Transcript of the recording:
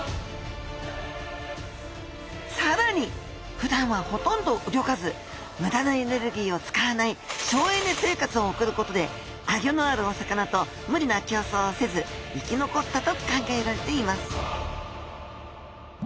さらにふだんはほとんどうギョかずむだなエネルギーをつかわない省エネ生活をおくることでアギョのあるお魚とむりなきょうそうをせず生き残ったと考えられています